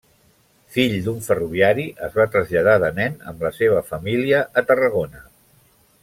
Fill d'un ferroviari, es va traslladar de nen amb la seva família a Tarragona.